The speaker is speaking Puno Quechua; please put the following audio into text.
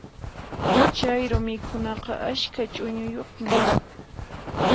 Chayru mikhunaqa askha ch'uñuyuqmi.